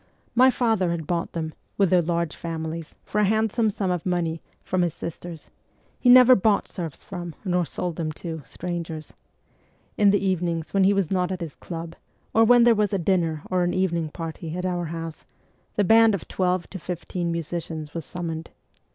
My father had bought them, with their large families, for a hand some sum of money, from his sisters (he never bought serfs from nor sold them to strangers) . In the evenings when he was not at his club, or when there was a dinner or an evening party at our house, the band of twelve to fifteen musicians was summoned.